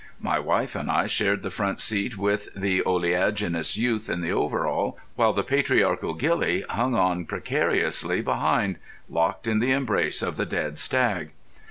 My wife and I shared the front seat with the oleaginous youth in the overall, while the patriarchal ghillie hung on precariously behind, locked in the embrace of the dead stag.